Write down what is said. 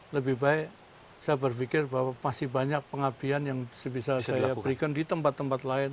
lebih baik saya berpikir bahwa masih banyak pengabdian yang bisa saya berikan di tempat tempat lain